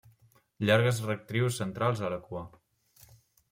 Llargues rectrius centrals a la cua.